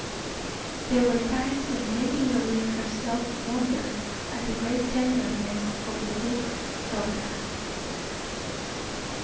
There were times when Lady Doris herself wondered at the great tenderness of the duke's daughter.